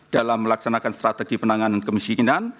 dalam melaksanakan strategi penanganan kemiskinan